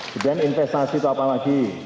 kemudian investasi itu apa lagi